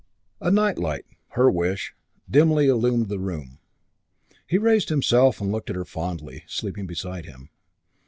A night light, her wish, dimly illumined the room. He raised himself and looked at her fondly, sleeping beside him.